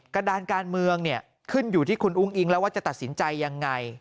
การดานการเมืองเนี่ยขึ้นอยู่ที่คุณอุ้งอิงแล้วว่าจะตัดสินใจยังไง